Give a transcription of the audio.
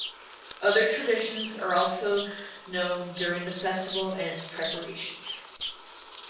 Other traditions are also known during the festival and its preparations.